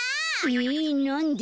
えなんで？